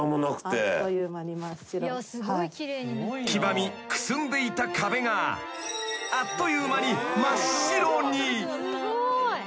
［黄ばみくすんでいた壁があっという間に真っ白に］